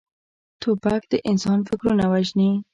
توپک د انسان فکرونه وژني.